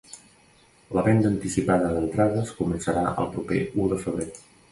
La venda anticipada d’entrades començarà el proper u de febrer.